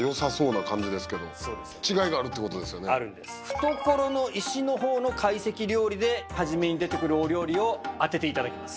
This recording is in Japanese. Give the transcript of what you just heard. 懐の石のほうの懐石料理で初めに出てくるお料理を当てて頂きます。